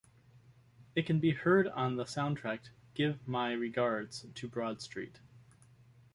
It can be heard on the soundtrack "Give My Regards to Broad Street".